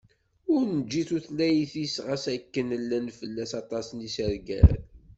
Ur neǧǧi tutlayt-is ɣas akken llan-d fell-as aṭas n yisergal.